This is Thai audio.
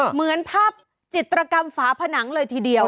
เหมือนภาพจิตรกรรมฝาผนังเลยทีเดียว